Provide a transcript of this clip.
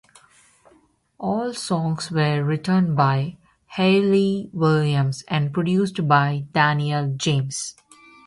All songs were written by Hayley Williams and produced by Daniel James.